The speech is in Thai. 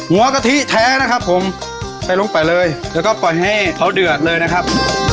กะทิแท้นะครับผมใส่ลงไปเลยแล้วก็ปล่อยให้เขาเดือดเลยนะครับ